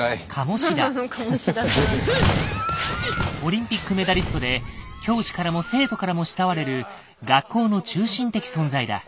オリンピックメダリストで教師からも生徒からも慕われる学校の中心的存在だ。